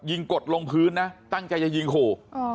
ยิงอยู่บนลงพื้นนะตั้งใจจะยิงขู่